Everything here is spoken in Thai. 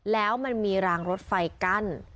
แล้วมันมีรางรถไฟกั้น